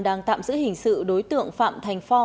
đang tạm giữ hình sự đối tượng phạm thành pho